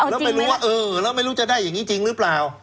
แล้วไม่รู้ว่าเออแล้วไม่รู้จะได้อย่างนี้จริงหรือเปล่า